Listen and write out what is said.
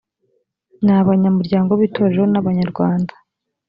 ni abanyamuryango b itorero n abanyarwanda